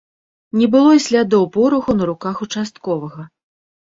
Не было і слядоў пораху на руках участковага.